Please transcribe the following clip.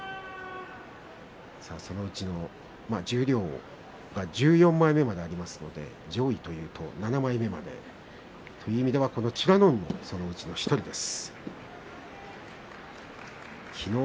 十両は１４枚目までありますので上位というと７枚目までそういう意味では美ノ海もその１人です。